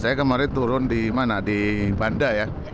saya kemarin turun di mana di banda ya